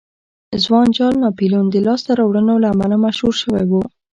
ځوان جال ناپلیون د لاسته راوړنو له امله مشهور شوی و.